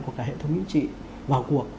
của cả hệ thống chính trị vào cuộc